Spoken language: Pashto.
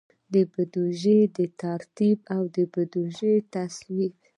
د بودیجې ترتیب او د بودیجې تصویب.